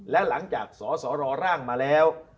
และหลังจากสสรร่างมาแล้ว